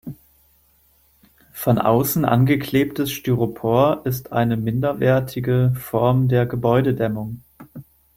Von außen angeklebtes Styropor ist eine minderwertige Form der Gebäudedämmung.